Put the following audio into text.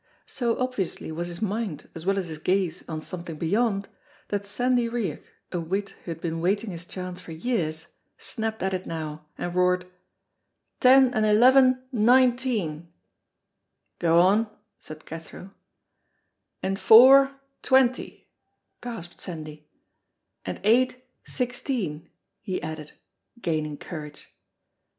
So obviously was his mind as well as his gaze on, something beyond, that Sandy Riach, a wit who had been waiting his chance for years, snapped at it now, and roared "Ten and eleven, nineteen" ("Go on," said Cathro), "and four, twenty," gasped Sandy, "and eight, sixteen," he added, gaining courage.